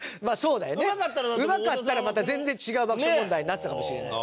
うまかったらまた全然違う爆笑問題になってたかもしれない。